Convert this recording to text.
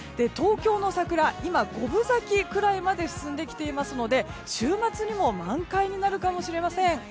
東京の桜は今、五分咲きくらいまで進んできていますので週末にも満開になるかもしれません。